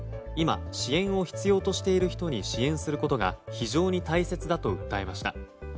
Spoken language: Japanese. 今、支援を必要としている人に支援をすることが非常に大切だと訴えました。